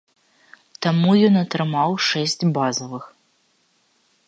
Таму ён атрымаў шэсць базавых.